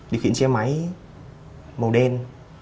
điều khiển xe máy màu đen